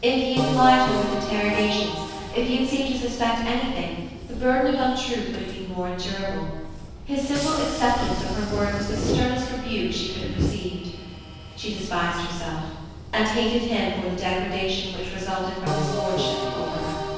If he had plied her with interrogations, if he had seemed to suspect anything, the burden of untruth would have been more endurable. His simple acceptance of her word was the sternest rebuke she could have received. She despised herself, and hated him for the degradation which resulted from his lordship over her.